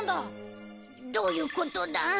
どういうことだ？